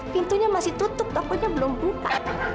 pintunya masih tutup tokonya belum buka